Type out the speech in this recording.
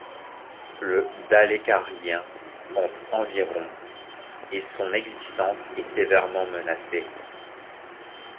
Le dalécarlien compte environ et son existence est sévèrement menacée.